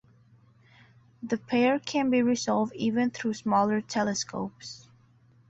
The pair can be resolved even through smaller telescopes.